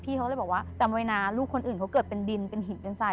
เขาเลยบอกว่าจำไว้นะลูกคนอื่นเขาเกิดเป็นดินเป็นหินเป็นสาย